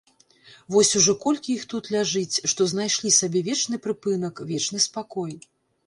Вось ужо колькі іх тут ляжыць, што знайшлі сабе вечны прыпынак, вечны спакой.